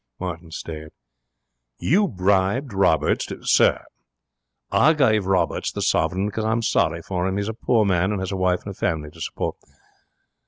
"' Martin stared. 'You bribed Roberts to ' 'Sir! I gave Roberts the sovereign because I am sorry for him. He is a poor man, and has a wife and family to support.'